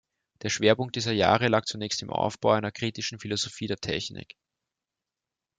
Der Schwerpunkt dieser Jahre lag zunächst im Aufbau einer Kritischen Philosophie der Technik.